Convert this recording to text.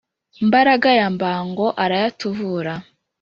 mbaraga ya mbango arayatuvura